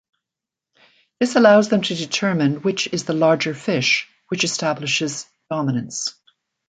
This allows them to determine which is the larger fish, which establishes dominance.